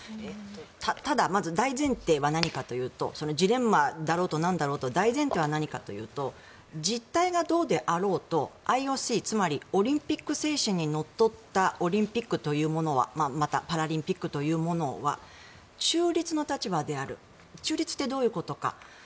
ただ、大前提は何かというとジレンマだろうとなんだろうと大前提は何かというと実態がどうであろうとＩＯＣつまりオリンピック精神にのっとったオリンピックというものはまたパラリンピックというものは中立の立場である中立ってどういうことか。